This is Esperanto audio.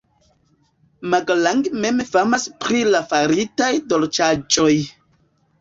Magalang mem famas pri la faritaj dolĉaĵoj.